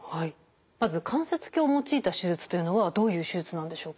まず関節鏡を用いた手術というのはどういう手術なんでしょうか？